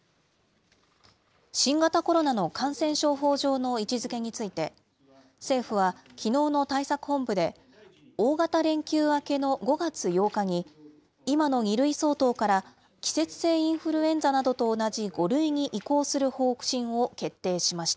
新型コロナの感染症法上の位置づけについて、政府はきのうの対策本部で、大型連休明けの５月８日に、今の２類相当から季節性インフルエンザなどと同じ５類に移行する方針を決定しました。